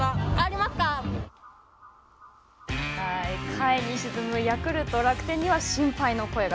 下位に沈むヤクルト、楽天には心配の声が。